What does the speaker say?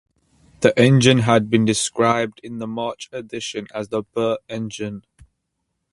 This engine had been described in the March edition as the 'Burt' engine.